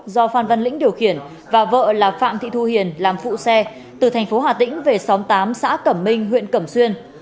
do phan văn lĩnh điều khiển và vợ là phạm thị thu hiền làm phụ xe từ thành phố hà tĩnh về xóm tám xã cẩm minh huyện cẩm xuyên